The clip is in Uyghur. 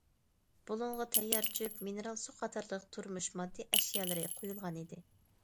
بۇلۇڭغا تەييار چۆپ، مىنېرال سۇ قاتارلىق تۇرمۇش ماددىي ئەشيالىرى قويۇلغانىدى.